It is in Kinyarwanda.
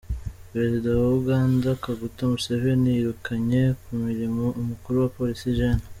Perezida wa Uganda Kaguta Museveni yirukanye ku mirimo umukuru wa Polisi, Gen.